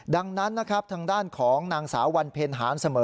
ดังนั้นนะครับทางด้านของนางสาววันเพ็ญหารเสมอ